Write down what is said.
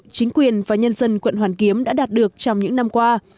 chính quyền và nhân dân quận hoàn kiếm đã đạt được trong những năm qua